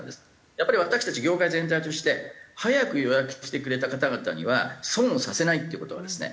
やっぱり私たち業界全体として早く予約してくれた方々には損をさせないっていう事がですね